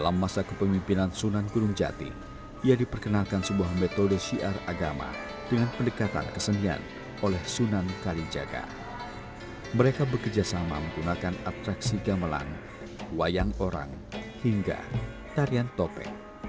ibarat cermin topeng cirebon memberi pengingat pada lagu hidup manusia agar terus mencari jati diri hingga usia senja